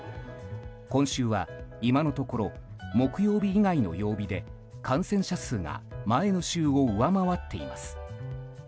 今週は今のところ木曜日以外の曜日で感染者数が前の週を上回っています。